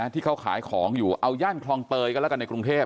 ที่เขาขายของอยู่เอาย่านคลองเตยก็แล้วกันในกรุงเทพ